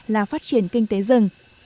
là phát triển kinh tế rừng